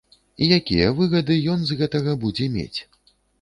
Якія выгады ён з гэтага будзе мець?